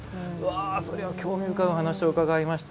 それは興味深いお話を伺いました。